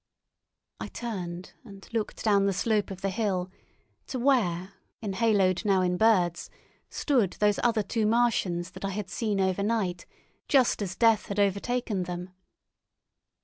I turned and looked down the slope of the hill to where, enhaloed now in birds, stood those other two Martians that I had seen overnight, just as death had overtaken them.